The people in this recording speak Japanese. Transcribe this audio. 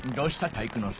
体育ノ介。